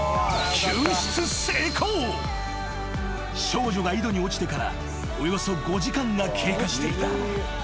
［少女が井戸に落ちてからおよそ５時間が経過していた］